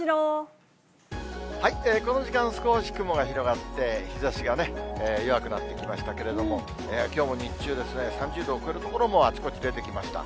この時間、少し雲が広がって、日ざしが弱くなってきましたけれども、きょうも日中、３０度を超える所も、あちこち出てきました。